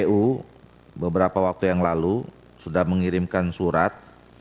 kpu beberapa waktu yang lalu sudah mengirimkan surat